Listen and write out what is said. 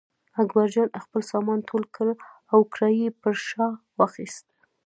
اکبرجان خپل سامان ټول کړ او کړایی یې پر شا واخیست.